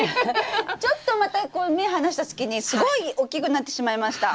ちょっとまた目離した隙にすごい大きくなってしまいました。